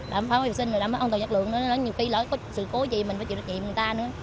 đảm bảo vệ sinh đảm bảo ôn tàu nhật lượng nhiều khi lỡ có sự cố gì mình phải chịu trách nhiệm người ta nữa